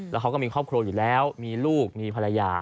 แล้วเขาก็มีครอบครัวอยู่แล้วมีลูกมีภรรยา